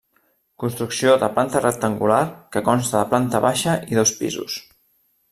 Construcció de planta rectangular que consta de planta baixa i dos pisos.